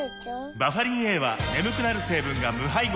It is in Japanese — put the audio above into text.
バファリンＡは眠くなる成分が無配合なんです